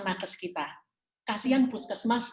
nakas kita kasian puskesmas